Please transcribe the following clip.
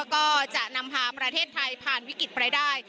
ก็จะนำพาประเทศไทยผ่านวิกฤตไปได้